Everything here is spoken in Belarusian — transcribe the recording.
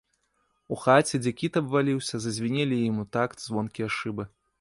У хаце, дзе кіт абваліўся, зазвінелі ім у такт звонкія шыбы.